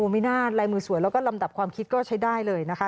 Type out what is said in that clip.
ไม่น่าลายมือสวยแล้วก็ลำดับความคิดก็ใช้ได้เลยนะคะ